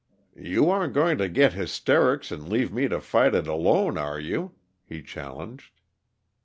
"You aren't going to get hysterics and leave me to fight it alone, are you?" he challenged.